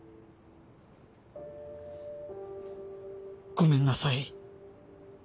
ごめんなさい。